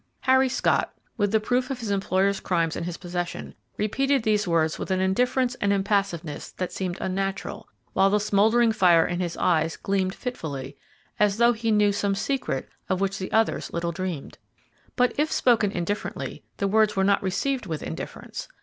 '" Harry Scott, with the proof of his employer's crimes in his possession, repeated these words with an indifference and impassiveness that seemed unnatural, while the smouldering fire in his eyes gleamed fitfully, as though he knew some secret of which the others little dreamed. But, if spoken indifferently, the words were not received with indifference.